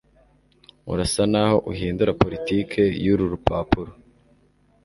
Urasa naho uhindura politiki yuru rupapuro